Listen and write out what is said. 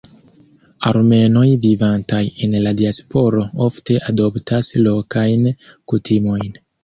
Armenoj vivantaj en la diasporo ofte adoptas lokajn kutimojn.